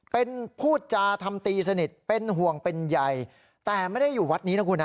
เป็นพูดจาทำตีสนิทเป็นห่วงเป็นใยแต่ไม่ได้อยู่วัดนี้นะคุณนะ